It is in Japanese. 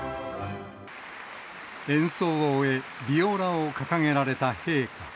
演奏を終え、ビオラを掲げられた陛下。